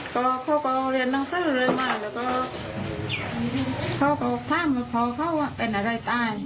ก็เขาก็เรียนหนังสือเรื่อยมาแล้วก็เขาก็ถามว่าเขาว่าเป็นอะไรตาย